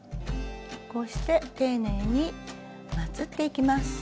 こうして丁寧にまつっていきます。